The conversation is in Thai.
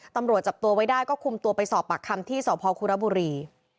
ตำรวจจับตัวไว้ได้ก็คุมตัวไปสอบปากคำที่สพคุรบุรี